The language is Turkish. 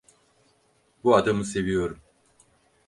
Bu adamı seviyorum.